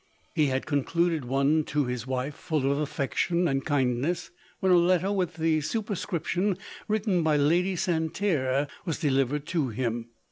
He had concluded one to his wife full of affection and kindness, when a letter with the superscription written by Lady Santerre was delivered to him.